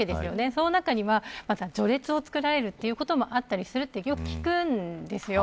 その中に序列を作られることもあったりするとよく聞くんです。